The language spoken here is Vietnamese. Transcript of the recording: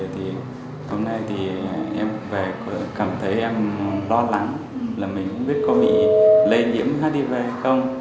thì hôm nay thì em về cảm thấy em lo lắng là mình biết có bị lây nhiễm hiv hay không